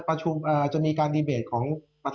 ประชุมจะมีการดีเบจของ